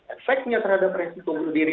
efeknya terhadap resiko bunuh diri